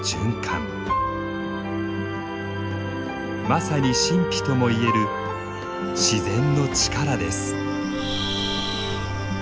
まさに神秘とも言える自然の力です。